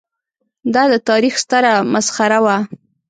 دا د تاریخ ستره مسخره وه.